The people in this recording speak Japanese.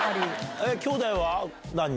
きょうだいは、何人？